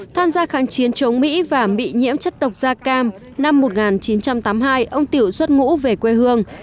tham gia kháng chiến chống mỹ và bị nhiễm chất độc da cam năm một nghìn chín trăm tám mươi hai ông tiểu xuất ngũ về quê hương